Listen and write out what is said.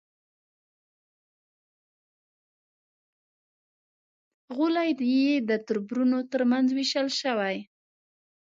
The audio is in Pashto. غولی یې د تربرونو تر منځ وېشل شوی.